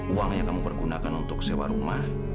uang yang kamu gunakan untuk sewa rumah